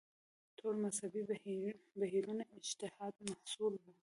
ټول مذهبي بهیرونه اجتهاد محصول وو